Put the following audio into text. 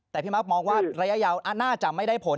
แต่พี่มักมองว่าระยะยาวน่าจะไม่ได้ผล